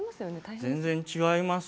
全然、違いますね。